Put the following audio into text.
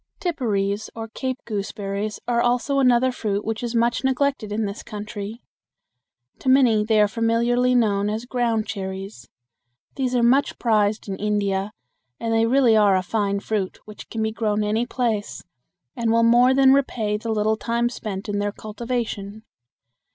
Tipparees, or cape gooseberries, are also another fruit which is much neglected in this country. To many they are familiarly known as ground cherries. These are much prized in India, and they really are a fine fruit, which can be grown any place and will more than repay the little time spent in their cultivation.